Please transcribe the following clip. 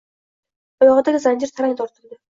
Oyog‘idagi zanjir tarang tortildi.